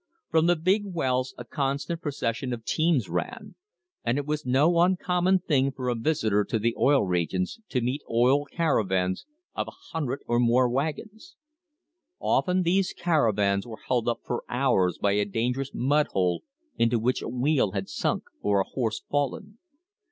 From the big wells a constant THE HISTORY OF THE STANDARD OIL COMPANY procession of teams ran, and it was no uncommon thing for a visitor to the Oil Regions to meet oil caravans of a hun dred or more wagons. Often these caravans were held up for hours by a dangerous mud hole into which a wheel had sunk or a horse fallen.